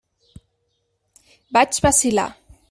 Vaig vacil·lar.